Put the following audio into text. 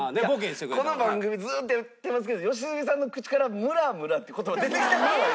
この番組ずーっとやってますけど良純さんの口から「ムラムラ」って言葉出てきた事ないですから。